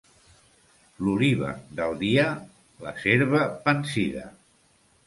L'oliva, del dia; la serva, pansida.